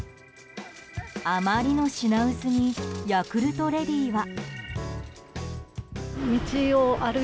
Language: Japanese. あまりの品薄にヤクルトレディは。